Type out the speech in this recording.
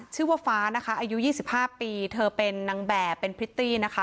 ชื่อวฟ้านะคะอายุ๒๕ปีเธอเป็นนางแบบเพ็นพริตตี้